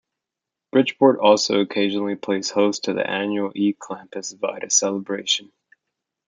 Bridgeport also occasionally plays host to the annual E Clampus Vitus celebration.